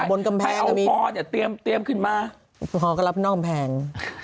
พี่พ่อก็กำแพงพี่พ่อก็นั่งกำแพง